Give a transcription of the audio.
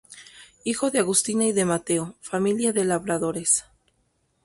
Hijo de Agustina y de Mateo, familia de labradores.